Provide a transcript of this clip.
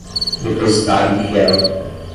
depositário infiel